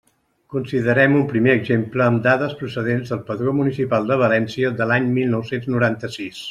Considerem un primer exemple amb dades procedents del Padró Municipal de València de l'any mil nou-cents noranta-sis.